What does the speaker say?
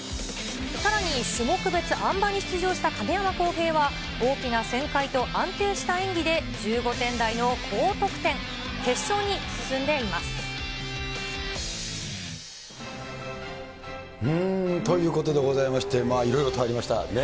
さらに種目別あん馬に出場した亀山耕平は大きな旋回と安定した演技で１５点台の高得点。ということでございまして、いろいろとありましたね。